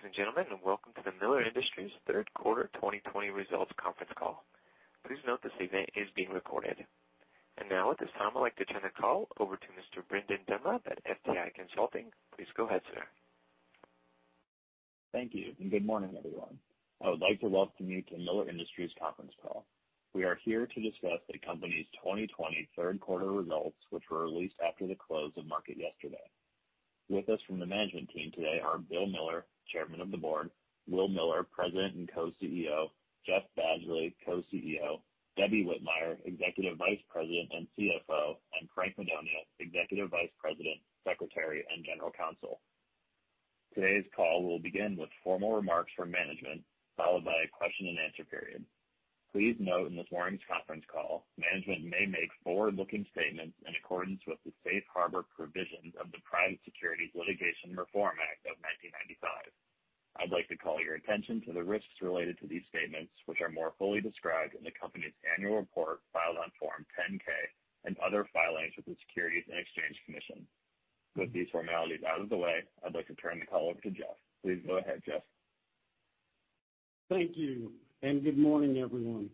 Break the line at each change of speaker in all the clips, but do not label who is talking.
Good day, ladies and gentlemen, and welcome to the Miller Industries Third Quarter 2020 Results Conference Call. Please note this event is being recorded. Now at this time, I'd like to turn the call over to Mr. Brendan Dunlap at FTI Consulting. Please go ahead, sir.
Thank you, and good morning, everyone. I would like to welcome you to Miller Industries' Conference Call. We are here to discuss the company's 2020 Third Quarter Results, which were released after the close of market yesterday. With us from the management team today are Bill Miller, Chairman of the Board, Will Miller, President and Co-CEO, Jeff Badgley, Co-CEO, Debbie Whitmire, Executive Vice President and CFO, and Frank Madonia, Executive Vice President, Secretary, and General Counsel. Today's call will begin with formal remarks from management, followed by a question and answer period. Please note, in this morning's conference call, management may make forward-looking statements in accordance with the safe harbor provisions of the Private Securities Litigation Reform Act of 1995. I'd like to call your attention to the risks related to these statements, which are more fully described in the company's annual report filed on Form 10-K and other filings with the Securities and Exchange Commission. With these formalities out of the way, I'd like to turn the call over to Jeff. Please go ahead, Jeff.
Thank you. Good morning, everyone.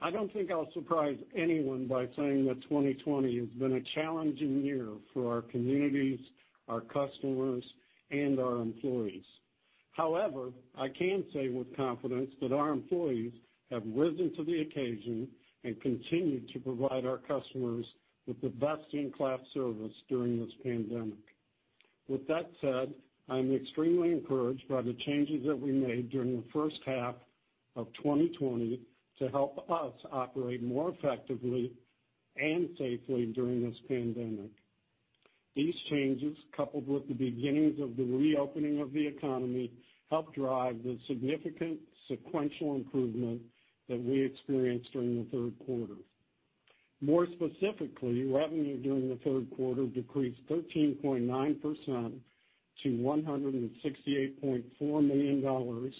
I don't think I'll surprise anyone by saying that 2020 has been a challenging year for our communities, our customers, and our employees. However, I can say with confidence that our employees have risen to the occasion and continued to provide our customers with the best-in-class service during this pandemic. With that said, I'm extremely encouraged by the changes that we made during the first half of 2020 to help us operate more effectively and safely during this pandemic. These changes, coupled with the beginnings of the reopening of the economy, helped drive the significant sequential improvement that we experienced during the third quarter. More specifically, revenue during the third quarter decreased 13.9% to $168.4 million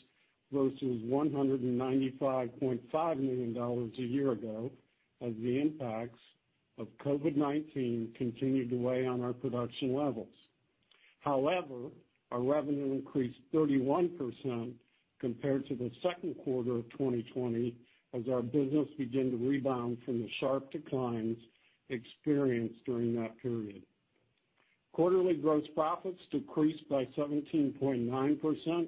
versus $195.5 million a year ago as the impacts of COVID-19 continued to weigh on our production levels. However, our revenue increased 31% compared to the second quarter of 2020 as our business began to rebound from the sharp declines experienced during that period. Quarterly gross profits decreased by 17.9%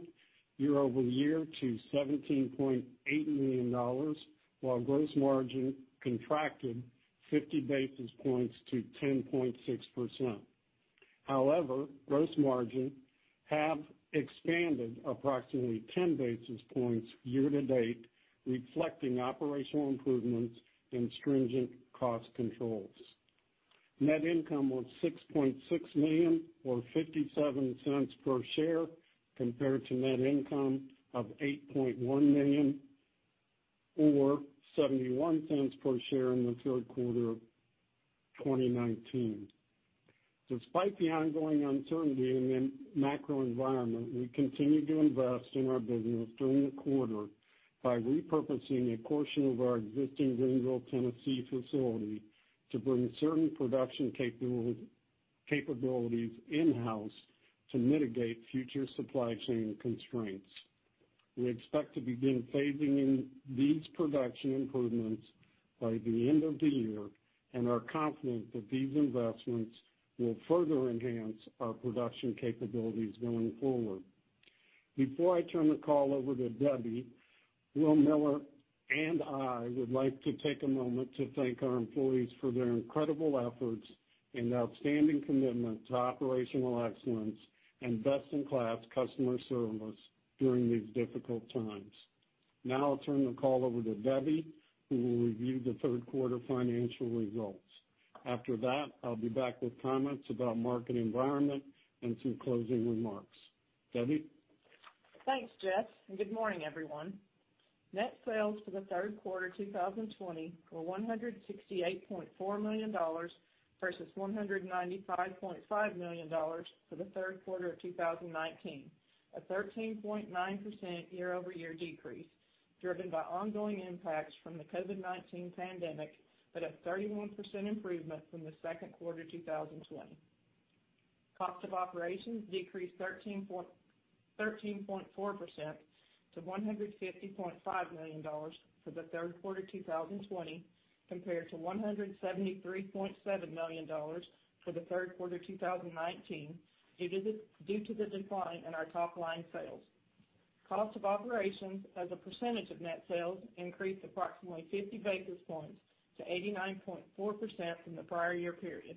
year-over-year to $17.8 million, while gross margin contracted 50 basis points to 10.6%. However, gross margin have expanded approximately 10 basis points year to date, reflecting operational improvements and stringent cost controls. Net income was $6.6 million, or $0.57 per share, compared to net income of $8.1 million, or $0.71 per share in the third quarter of 2019. Despite the ongoing uncertainty in the macro environment, we continued to invest in our business during the quarter by repurposing a portion of our existing Greeneville, Tennessee facility to bring certain production capabilities in-house to mitigate future supply chain constraints. We expect to begin phasing in these production improvements by the end of the year and are confident that these investments will further enhance our production capabilities going forward. Before I turn the call over to Debbie, Will Miller and I would like to take a moment to thank our employees for their incredible efforts and outstanding commitment to operational excellence and best-in-class customer service during these difficult times. Now I'll turn the call over to Debbie, who will review the third quarter financial results. After that, I'll be back with comments about market environment and some closing remarks. Debbie?
Thanks, Jeff. Good morning, everyone. Net sales for the third quarter 2020 were $168.4 million versus $195.5 million for the third quarter of 2019, a 13.9% year-over-year decrease driven by ongoing impacts from the COVID-19 pandemic, but a 31% improvement from the second quarter 2020. Cost of operations decreased 13.4% to $150.5 million for the third quarter 2020 compared to $173.7 million for the third quarter 2019 due to the decline in our top-line sales. Cost of operations as a percentage of net sales increased approximately 50 basis points to 89.4% from the prior year period.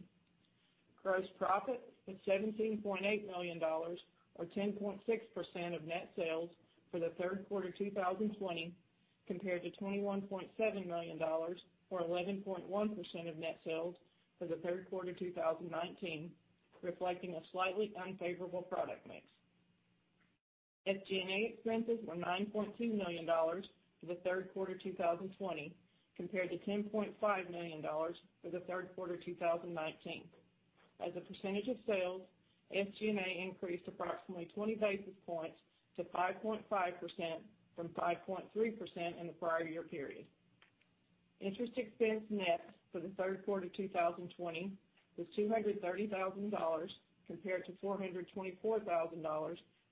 Gross profit was $17.8 million, or 10.6% of net sales for the third quarter 2020 compared to $21.7 million or 11.1% of net sales for the third quarter 2019, reflecting a slightly unfavorable product mix. SG&A expenses were $9.2 million for the third quarter 2020 compared to $10.5 million for the third quarter 2019. As a percentage of sales, SG&A increased approximately 20 basis points to 5.5% from 5.3% in the prior year period. Interest expense net for the third quarter 2020 was $230,000 compared to $424,000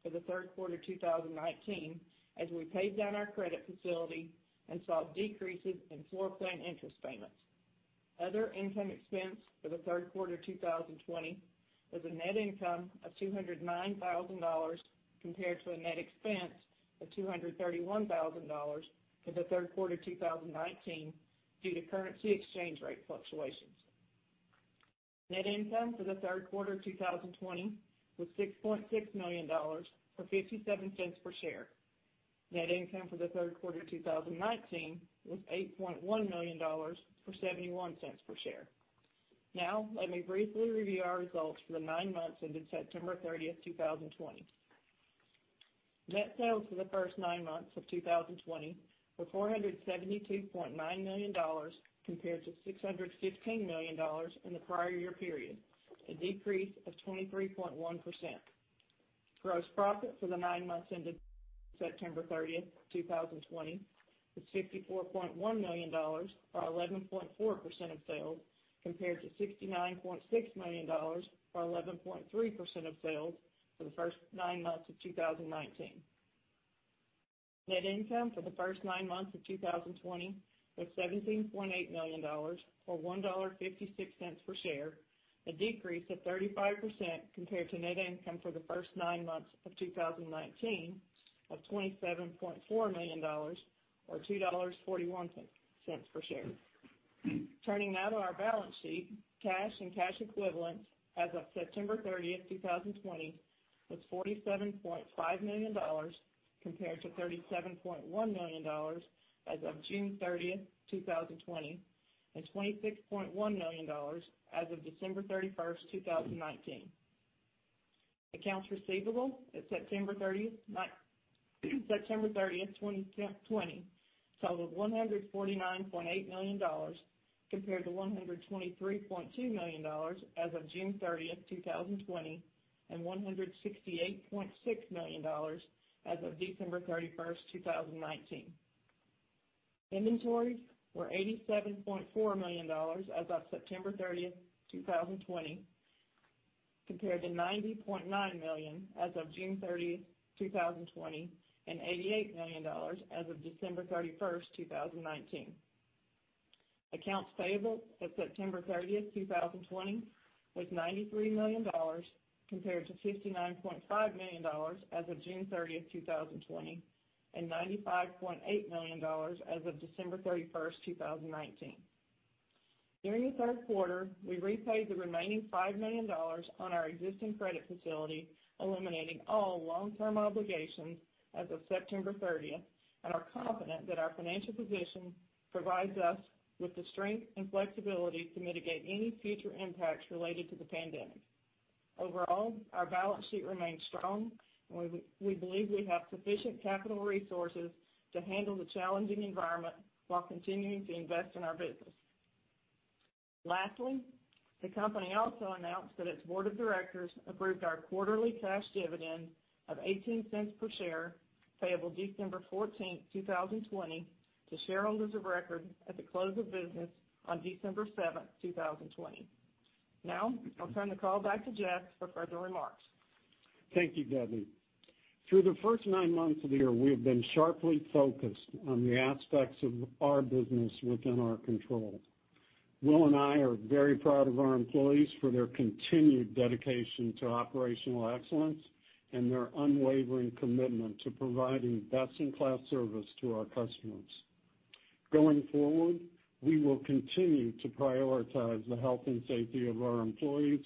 for the third quarter 2019, as we paid down our credit facility and saw decreases in floor plan interest payments. Other income expense for the third quarter 2020 was a net income of $209,000 compared to a net expense of $231,000 for the third quarter 2019 due to currency exchange rate fluctuations. Net income for the third quarter 2020 was $6.6 million, or $0.57 per share. Net income for the third quarter 2019 was $8.1 million or $0.71 per share. Let me briefly review our results for the nine months ended September 30th, 2020. Net sales for the first nine months of 2020 were $472.9 million compared to $615 million in the prior year period, a decrease of 23.1%. Gross profit for the nine months ended September 30th, 2020 was $54.1 million, or 11.4% of sales, compared to $69.6 million or 11.3% of sales for the first nine months of 2019. Net income for the first nine months of 2020 was $17.8 million or $1.56 per share, a decrease of 35% compared to net income for the first nine months of 2019 of $27.4 million or $2.41 per share. Turning now to our balance sheet, cash and cash equivalents as of September 30th, 2020 was $47.5 million, compared to million as of June 30th, 2020, and $26.1 million as of December 31st, 2019. Accounts receivable at September 30th, 2020 totaled $149.8 million, compared to $123.2 million as of June 30th, 2020 and $168.6 million as of December 31st, 2019. Inventories were $87.4 million as of September 30th, 2020, compared to $90.9 million as of June 30th, 2020 and $88 million as of December 31st, 2019. Accounts payable as of September 30th, 2020 was $93 million, compared to $59.5 million as of June 30th, 2020 and $95.8 million as of December 31st, 2019. During the third quarter, we repaid the remaining $5 million on our existing credit facility, eliminating all long-term obligations as of September 30th, and are confident that our financial position provides us with the strength and flexibility to mitigate any future impacts related to the pandemic. Overall, our balance sheet remains strong and we believe we have sufficient capital resources to handle the challenging environment while continuing to invest in our business. Lastly, the company also announced that its board of directors approved our quarterly cash dividend of $0.18 per share, payable December 14th, 2020, to shareholders of record at the close of business on December 7th, 2020. I'll turn the call back to Jeff for further remarks.
Thank you, Debbie. Through the first nine months of the year, we have been sharply focused on the aspects of our business within our control. Will and I are very proud of our employees for their continued dedication to operational excellence and their unwavering commitment to providing best-in-class service to our customers. Going forward, we will continue to prioritize the health and safety of our employees,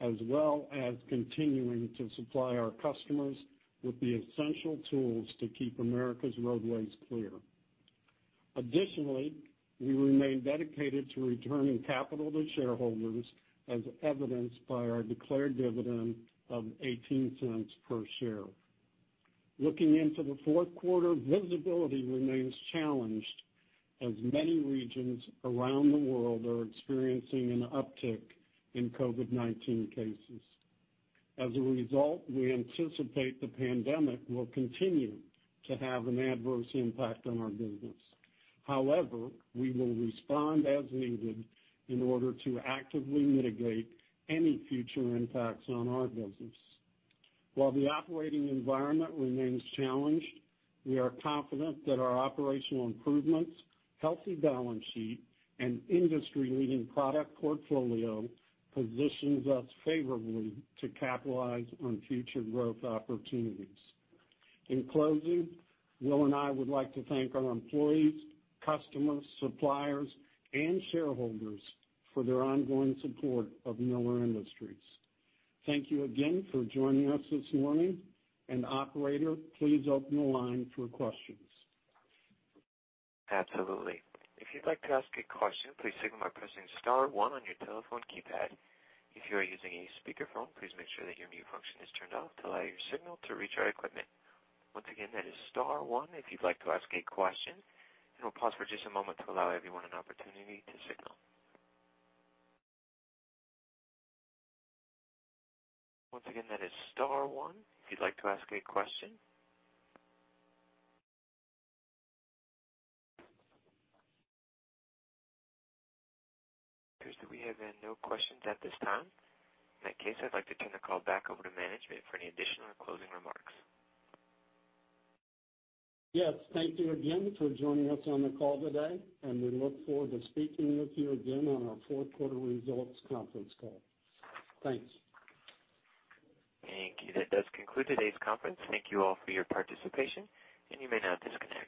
as well as continuing to supply our customers with the essential tools to keep America's roadways clear. Additionally, we remain dedicated to returning capital to shareholders, as evidenced by our declared dividend of $0.18 per share. Looking into the fourth quarter, visibility remains challenged as many regions around the world are experiencing an uptick in COVID-19 cases. As a result, we anticipate the pandemic will continue to have an adverse impact on our business. We will respond as needed in order to actively mitigate any future impacts on our business. While the operating environment remains challenged, we are confident that our operational improvements, healthy balance sheet, and industry-leading product portfolio positions us favorably to capitalize on future growth opportunities. In closing, Will and I would like to thank our employees, customers, suppliers, and shareholders for their ongoing support of Miller Industries. Thank you again for joining us this morning. Operator, please open the line for questions.
Absolutely. If you'd like to ask a question, please signal by pressing star one on your telephone keypad. If you are using a speakerphone, please make sure that your mute function is turned off to allow your signal to reach our equipment. Once again, that is star one if you'd like to ask a question. We'll pause for just a moment to allow everyone an opportunity to signal. Once again, that is star one if you'd like to ask a question. Operators, we have no questions at this time. In that case, I'd like to turn the call back over to management for any additional closing remarks.
Yes, thank you again for joining us on the call today, and we look forward to speaking with you again on our fourth quarter results conference call. Thanks.
Thank you. That does conclude today's conference. Thank you all for your participation, and you may now disconnect.